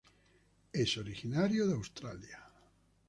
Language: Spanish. Es originario de Australia